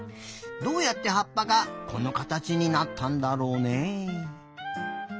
どうやってはっぱがこのかたちになったんだろうね。